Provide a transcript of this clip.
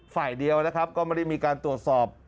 ฝ่ายเดียวนะครับก็ไม่ได้มีการตรวจสอบ